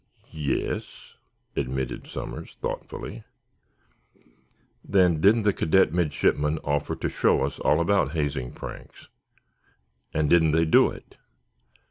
"Ye es," admitted Somers, thoughtfully. "Then, didn't the cadet midshipmen offer to show us all about hazing pranks, and didn't they do it?"